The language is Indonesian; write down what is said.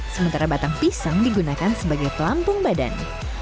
sementara batang pisang digunakan sebagai pelampung badan